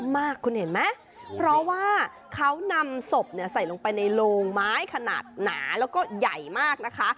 มากคุณเห็นไหมเพราะว่าเขานำศพใส่ลงไปในโลงไม้ขนาดหนาแล้วก็ใหญ่มากนะคะ